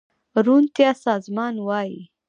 روڼتيا سازمان وايي